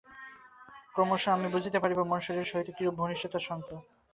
ক্রমশ আমরা বুঝিতে পারিব, মন শরীরের সহিত কিরূপ ঘনিষ্ঠভাবে সম্বন্ধ।